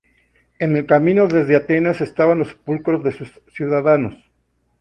En el camino desde Atenas estaban los sepulcros de sus ciudadanos.